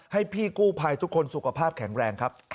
ให้พี่กู้ภัยทุกคนสุขภาพแข็งแรงครับ